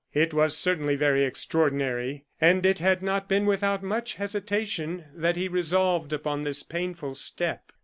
It was certainly very extraordinary; and it had not been without much hesitation that he resolved upon this painful step.